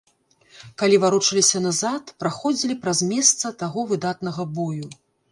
Калі варочаліся назад, праходзілі праз месца таго выдатнага бою.